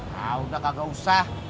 nah udah kagak usah